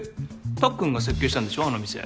たっくんが設計したんでしょあの店。